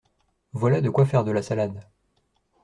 Voilà de quoi faire de la salade.